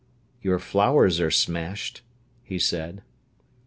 "Your flowers are smashed," he said.